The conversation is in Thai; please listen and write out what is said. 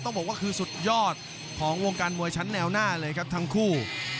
บอกว่าคือสุดยอดของวงการมวยชั้นแนวหน้าเลยครับทั้งคู่